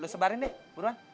lo sebarin deh buruan